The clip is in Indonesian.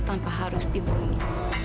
tanpa harus dibunuh